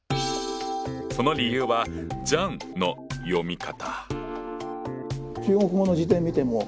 その理由はジャンの読み方！